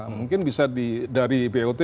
mungkin bisa dari bot